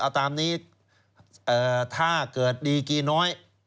เอาตามนี้ถ้าเกิดดีกี่น้อย